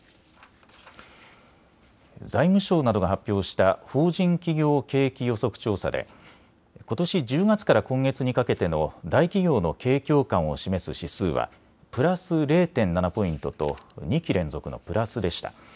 財務省などが発表した法人企業景気予測調査でことし１０月から今月にかけての大企業の景況感を示す指数はプラス０．７ポイントと２期連続のプラスでした。